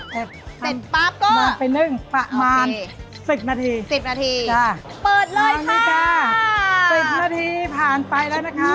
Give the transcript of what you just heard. เสร็จปั๊บก็มาเป็นนึ่งประมาณสิบนาทีสิบนาทีจ้ะเปิดเลยค่ะสิบนาทีผ่านไปแล้วนะคะ